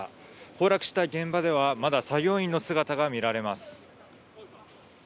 崩落した現場ではまだ作業員の姿が見られます。